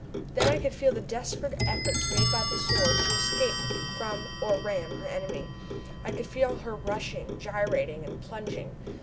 Then I could feel the desperate efforts made by the Sword to escape from or ram her enemy. I could feel her rushing, gyrating and plunging.